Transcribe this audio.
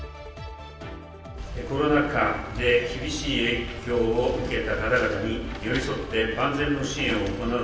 コロナ禍で厳しい影響を受けた方々に寄り添って万全の支援を行う。